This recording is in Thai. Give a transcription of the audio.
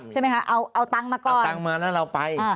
ใช่ไหมคะเอาตังค์มาก่อนเอาตังค์มาแล้วเราไป